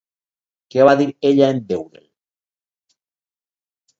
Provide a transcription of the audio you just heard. Què va dir ella en veure'l?